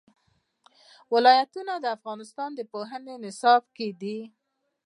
ولایتونه د افغانستان د پوهنې په نصاب کې دي.